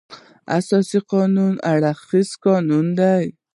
اساسي قانون هر اړخیز قانون دی.